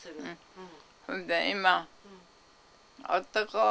うん。